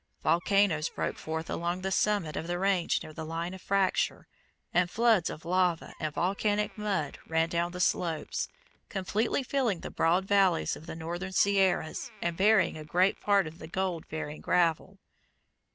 Volcanoes broke forth along the summit of the range near the line of fracture, and floods of lava and volcanic mud ran down the slopes, completely filling the broad valleys of the northern Sierras and burying a great part of the gold bearing gravel.